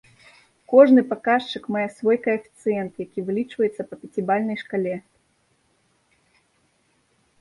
Кожны паказчык мае свой каэфіцыент, які вылічваецца па пяцібальнай шкале.